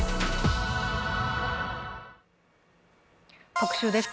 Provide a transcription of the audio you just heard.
特集です。